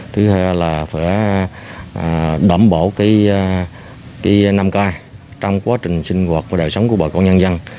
thứ hai là phải đảm bảo năm k trong quá trình sinh hoạt và đời sống của bà con nhân dân